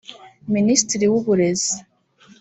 Minisitiri w’uburezi